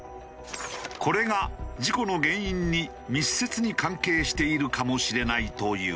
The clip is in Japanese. これが事故の原因に密接に関係しているかもしれないという。